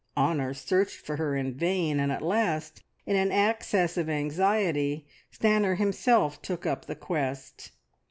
Honor searched for her in vain, and at last in an access of anxiety Stanor himself took up the quest.